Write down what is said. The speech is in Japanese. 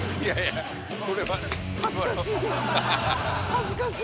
恥ずかしい。